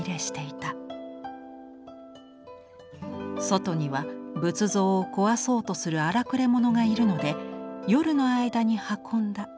「外には仏像を壊そうとする荒くれ者がいるので夜の間に運んだ」。